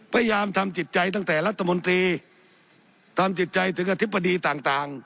พยายามทำจิตใจตั้งแต่รัฐมนตรีทำจิตใจถึงอธิบดีต่าง